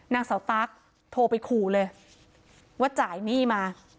นางสาวตั๊กโทรไปขู่เลยว่าจ่ายหนี้มา